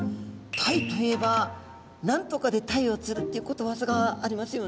タイといえば「何とかで鯛を釣る」っていうことわざがありますよね。